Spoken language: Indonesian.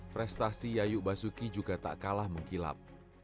prestasi yayu basuki juga tak kalah mengkilap